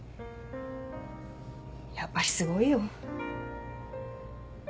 やっぱりすごいよ。